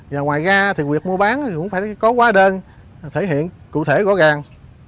và ngoài ra thì việc mua bán cũng phải có quá đơn thể hiện cụ thể gõ gàng